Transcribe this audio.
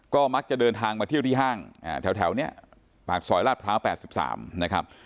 ก็มักจะเดินทางมาเที่ยวที่ห้างแถวนี้ปากซอยลาดพร้าว๘๓นะครับ